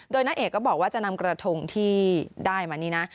โดยน้าเอกก็บอกว่าจะนำกระทงที่ได้มานี่นะ